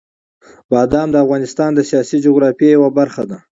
بادام د افغانستان د سیاسي جغرافیې یوه برخه ده.